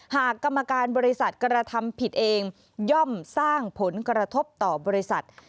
กรรมการบริษัทกระทำผิดเองย่อมสร้างผลกระทบต่อบริษัท